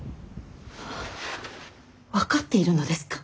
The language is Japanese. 分かっているのですか。